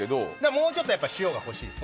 もうちょっと塩が欲しいですね。